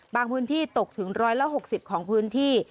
บางพื้นที่ตกถึง๑๖๐ของพื้นที่